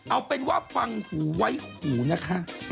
เอาเป็นว่าฟังหูไว้หูนะคะ